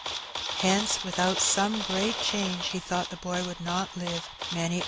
Hence, without some great change, he thought the boy would not live many hours longer.